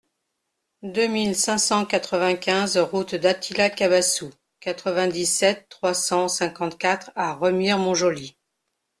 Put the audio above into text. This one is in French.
deux mille cinq cent quatre-vingt-quinze route d'Attila Cabassou, quatre-vingt-dix-sept, trois cent cinquante-quatre à Remire-Montjoly